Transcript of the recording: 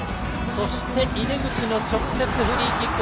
そして、井手口の直接キック。